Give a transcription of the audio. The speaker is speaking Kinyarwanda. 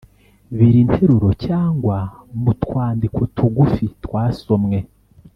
biri nteruro cyangwa mu twandiko tugufi twasomwe –